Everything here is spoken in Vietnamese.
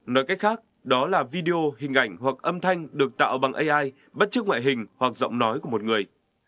nói cách khác đó là video hình ảnh hoặc âm thanh được tạo bằng ai bất chức ngoại hình hoặc giọng nói của một người